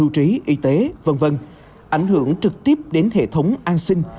trí y tế v v ảnh hưởng trực tiếp đến hệ thống an sinh